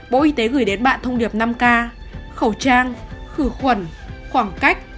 bộ y tế gửi đến bạn thông điệp năm k khẩu trang khử khuẩn khoảng cách